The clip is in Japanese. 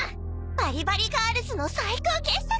バリバリガールズの最高傑作！